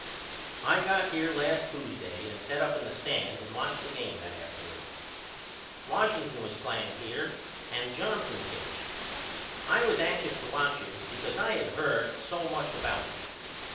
I got here last Tuesday and set up in the stand and watched the game that afternoon. Washington was playing here and Johnson pitched. I was anxious to watch him because I had heard so much about him.